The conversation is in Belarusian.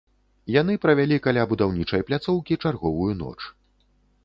Яны правялі каля будаўнічай пляцоўкі чарговую ноч.